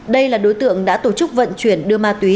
đây là đối tượng đã tổ chức vận chuyển đưa ma túy